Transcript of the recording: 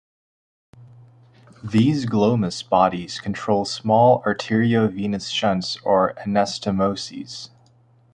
These glomus bodies control small arteriovenous shunts or anastomoses.